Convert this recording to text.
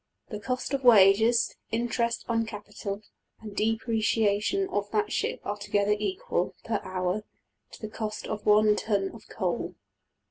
The cost of wages, interest on capital, and depreciation of that ship are together equal, per hour, to the cost of $1$~ton of coal.